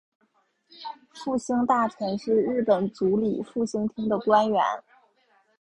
复兴大臣是日本主理复兴厅的官员。